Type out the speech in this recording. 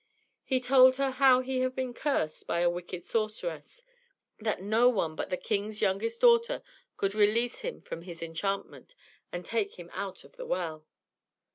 He told her how he had been cursed by a wicked sorceress, and that no one but the king's youngest daughter could release him from his enchantment and take him out of the well.